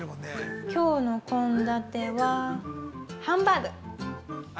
きょうの献立は、ハンバーグ。